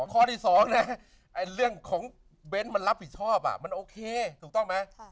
ข้อที่๒นะเรื่องของเบนท์มันรับผิดชอบมันโอเคถูกต้องไหม